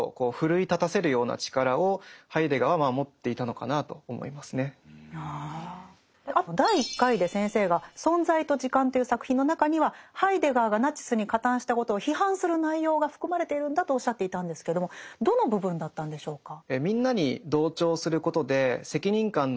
だからある種あと第１回で先生が「存在と時間」という作品の中にはハイデガーがナチスに加担したことを批判する内容が含まれているんだとおっしゃっていたんですけどもどの部分だったんでしょうか。